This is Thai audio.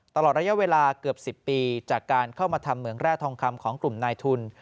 ตลอดระยะเวลาเกือบ๑๐ปีจากการเข้ามาทำเหมืองแร่ทองคำของกลุ่มนายทุน